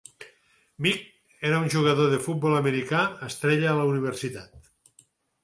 Meek era un jugador de futbol americà estrella a la universitat.